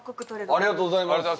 ありがとうございます。